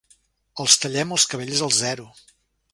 Els tallem els cabells al zero.